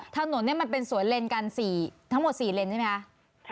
ถนนมันเป็นสวนเลนกันทั้งหมด๔เลนใช่ไหมคะ